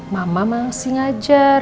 mama masih ngajar